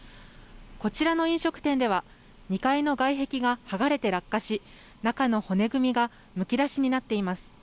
こちらの飲食店では、２階の外壁が剥がれて落下し、中の骨組みがむき出しになっています。